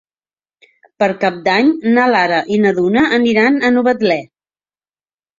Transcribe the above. Per Cap d'Any na Lara i na Duna aniran a Novetlè.